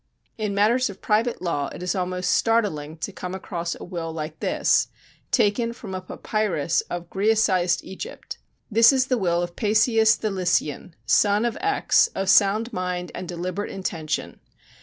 In matters of private law it is almost startling to come across a will like this, taken from a papyrus of Græcised Egypt: "This is the will of Peisias the Lycian, son of X., of sound mind and deliberate intention.